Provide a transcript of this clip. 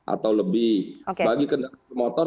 atau lebih bagi kendaraan motor